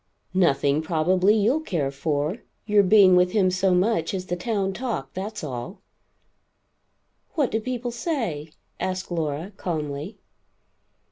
"Nothing, probably, you'll care for. Your being with him so much is the town talk, that's all?" "What do people say?" asked Laura calmly.